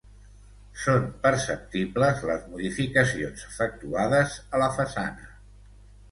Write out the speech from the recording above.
Són perceptibles les modificacions efectuades a la façana.